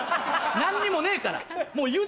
何にもねえから。